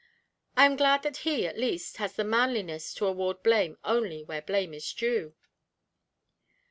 I am glad that he, at least, has the manliness to award blame only where blame is due."